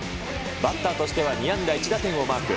バッターとしては２安打１打点をマーク。